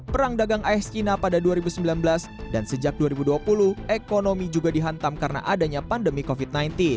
perang dagang aes cina pada dua ribu sembilan belas dan sejak dua ribu dua puluh ekonomi juga dihantam karena adanya pandemi covid sembilan belas